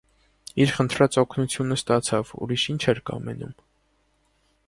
Իր խնդրած օգնությունը ստացավ, ուրիշ ի՞նչ էր կամենում: